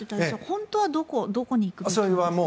本当はどこに行くべきなんですか？